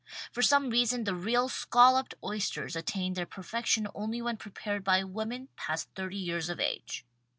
For some reason, the real "scolloped" oysters attain their perfection only when prepared by women past thirty years of age.